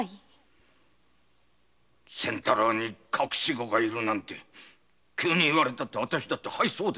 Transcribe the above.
仙太郎に隠し子がいるなんて急に言われたって私だって。